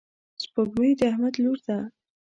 سپوږمۍ د احمد لور ده.